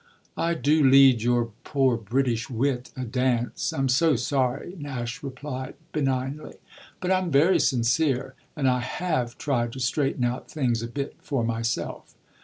"I do lead your poor British wit a dance I'm so sorry," Nash replied benignly. "But I'm very sincere. And I have tried to straighten out things a bit for myself."